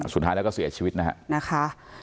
สุดท้ายแล้วก็เสียชีวิตนะคะ